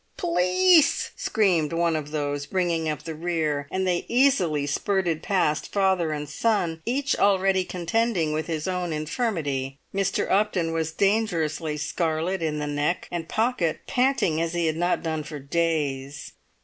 "P'lice!" screamed one of those bringing up the rear, and they easily spurted past father and son, each already contending with his own infirmity. Mr. Upton was dangerously scarlet in the neck, and Pocket panting as he had not done for days.